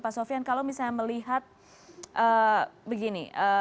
pak sofian kalau misalnya melihat begini